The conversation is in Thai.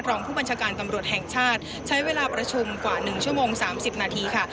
รองผู้บัญชาการตำรวจแห่งชาติใช้เวลาประชุมกว่า๑ชั่วโมง๓๐นาทีค่ะ